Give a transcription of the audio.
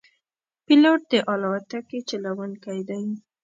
پیلوټ د الوتکې چلوونکی دی.